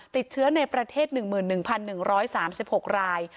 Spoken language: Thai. ติดเชื้อในประเทศ๑๑๑๓๖ราย